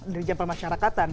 dari jampang masyarakatan